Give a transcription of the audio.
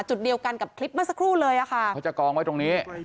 จุดเดียวกันกับคลิปเมื่อสักครู่เลยอะค่ะเขาจะกองไว้ตรงนี้